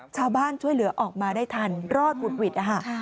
ชาวบ้านช่วยเหลือออกมาได้ทันรอดหุดหวิด